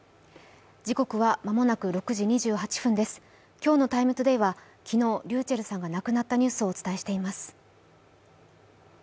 今日の「ＴＩＭＥ，ＴＯＤＡＹ」は昨日、ｒｙｕｃｈｅｌｌさんが亡くなったニュースをお伝えしています。